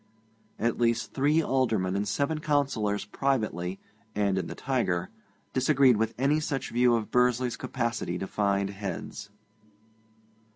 At least three Aldermen and seven Councillors privately, and in the Tiger, disagreed with any such view of Bursley's capacity to find heads.